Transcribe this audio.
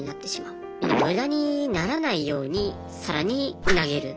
みんな無駄にならないようにさらに投げる。